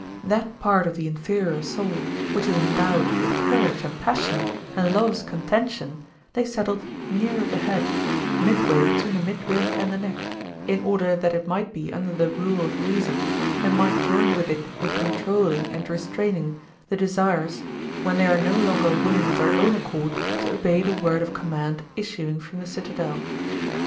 That part of the inferior soul which is endowed with courage and passion and loves contention they settled nearer the head, midway between the midriff and the neck, in order that it might be under the rule of reason and might join with it in controlling and restraining the desires when they are no longer willing of their own accord to obey the word of command issuing from the citadel.